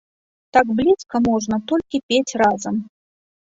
Так блізка можна толькі пець разам.